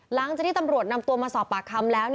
หลังจากที่ตำรวจนำตัวมาสอบปากคำแล้ว